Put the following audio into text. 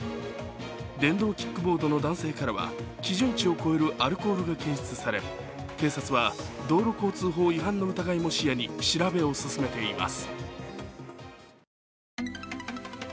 電動キックボードの男性からは基準値を超えるアルコールが検出され警察は道路交通法違反の疑いも視野に調べを進めています。